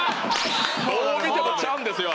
どう見ても「ちゃん」ですよあれ。